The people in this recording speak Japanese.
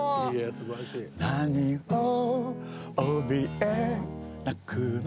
「何をおびえ泣くの」